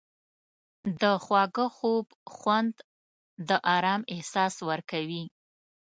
د خواږه خوب خوند د آرام احساس ورکوي.